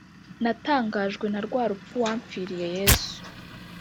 Natangajwe narwa rupfu wampfiriye yesu